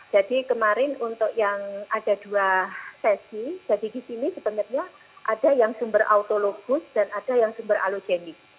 jadi kemarin untuk yang ada dua sesi jadi di sini sebenarnya ada yang sumber autologus dan ada yang sumber alogenik